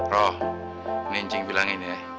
roh ini incing bilangin ya